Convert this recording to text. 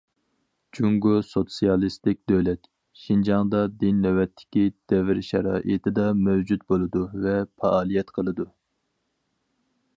جۇڭگو سوتسىيالىستىك دۆلەت، شىنجاڭدا دىن نۆۋەتتىكى دەۋر شارائىتىدا مەۋجۇت بولىدۇ ۋە پائالىيەت قىلىدۇ.